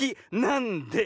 なんで？